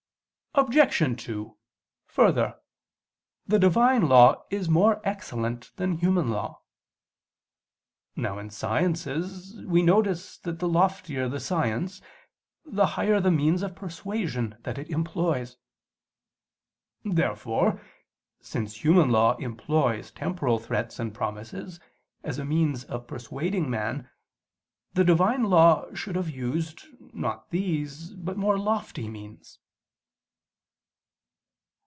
Obj. 2: Further, the Divine law is more excellent than human law. Now, in sciences, we notice that the loftier the science, the higher the means of persuasion that it employs. Therefore, since human law employs temporal threats and promises, as means of persuading man, the Divine law should have used, not these, but more lofty means.